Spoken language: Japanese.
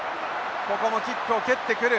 ここもキックを蹴ってくる。